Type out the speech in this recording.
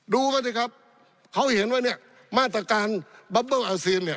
ดูสิครับเขาเห็นว่าเนี่ยมาตรการบับเบิ้ลอาเซียนเนี่ย